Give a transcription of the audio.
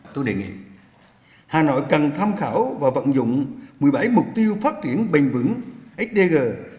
tôi đề nghị hà nội cần tham khảo và vận dụng một mươi bảy mục tiêu phát triển bình vững sdg hai nghìn ba mươi